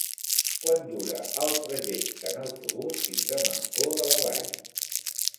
Quant dura el trajecte en autobús fins a Mancor de la Vall?